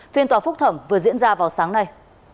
phiên tòa phúc thẩm vừa diễn ra vào sáng nay